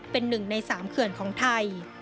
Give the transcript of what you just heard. เป็นหนึ่งใน๓เขื่อนของไทย